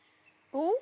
おっ！